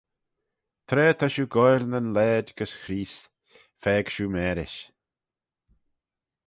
Tra ta shiu goaill nyn laaid gys Chreest, faag shiu marish.